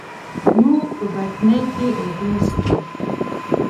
موږ په بدنۍ کي اوبه څښو.